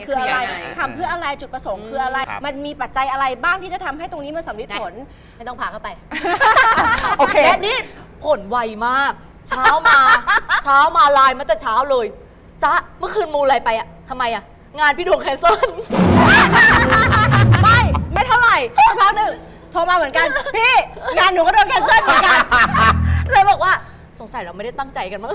คนปัจจุบันเราไปจีบเขาก่อน